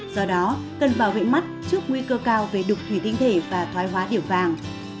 do đó cần bảo vệ mắt trước nguy cơ cao về đục thủy tinh thể và thoái hóa điểm vàng